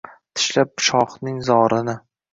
Tinglab shohning zorini